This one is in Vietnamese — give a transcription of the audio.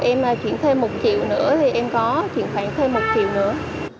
em chuyển thêm một triệu nữa thì em có chuyển khoản thêm một triệu nữa